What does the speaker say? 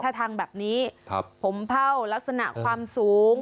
ถ้าทางแบบนี้ผมเผ่าลักษณะความสูง